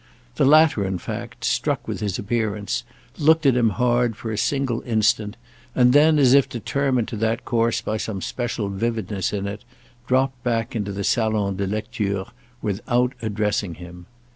The latter in fact, struck with his appearance, looked at him hard for a single instant and then, as if determined to that course by some special vividness in it, dropped back into the salon de lecture without addressing him.